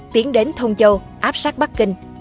tiến đến thông châu áp sát bắc kinh